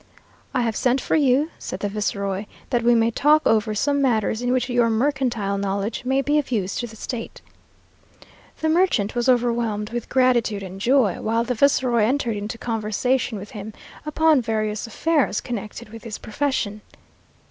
"I have sent for you," said the viceroy, "that we may talk over some matters in which your mercantile knowledge may be of use to the state." The merchant was overwhelmed with gratitude and joy; while the viceroy entered into conversation with him upon various affairs connected with his profession.